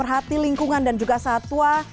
hati lingkungan dan juga satwa